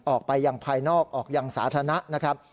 ออกไปอย่างภายนอกออกยังสาธารณะนะครับ